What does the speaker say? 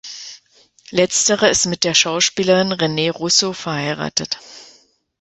Letzterer ist mit der Schauspielerin Rene Russo verheiratet.